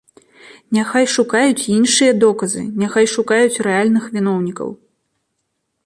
Няхай шукаюць іншыя доказы, няхай шукаюць рэальных віноўнікаў.